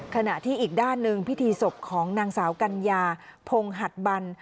ขณะที่อีกด้านหนึ่งพิธีศพของนางสาวกัญญาพงหัดบัน